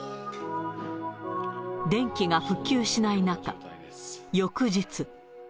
電気が復旧しない中、翌日。